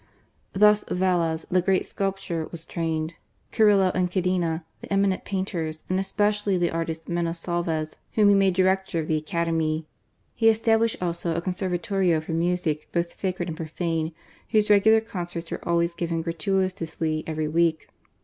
Thus Velez, the great sculptor, was trained ; Carilto and Cadena, the eminent painters ; and especially the artist Manosalvas, whom he made Director of the Academy. He established also a Conservatorio for Music, both sacred and profane, whose regular concerts were always given gratui tously every week.